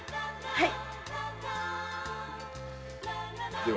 はい！